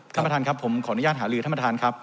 ท่านประธานครับผมขออนุญาตหาลือท่านประธานครับ